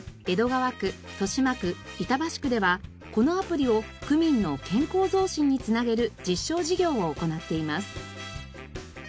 江戸川区豊島区板橋区ではこのアプリを区民の健康増進につなげる実証事業を行っています。